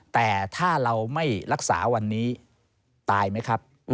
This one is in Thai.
แต่ถ้าเราไม่รักษาวันนี้ตายไหมครับ